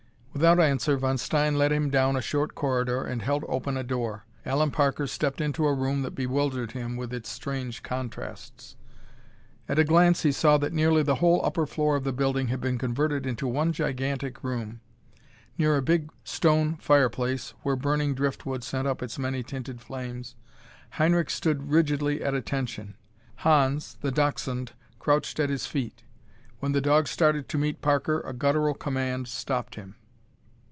Without answer von Stein led him down a short corridor and held open a door. Allen Parker stepped into a room that bewildered him with its strange contrasts. At a glance he saw that nearly the whole upper floor of the building had been converted into one gigantic room. Near a big stone fireplace, where burning driftwood sent up its many tinted flames, Heinrich stood rigidly at attention. Hans, the dachshund, crouched at his feet. When the dog started to meet Parker a guttural command stopped him.